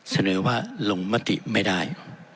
เสนอว่าลงมติไม่ได้